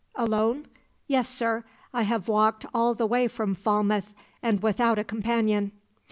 "'Alone?' "'Yes, sir. I have walked all the way from Falmouth, and without a companion.'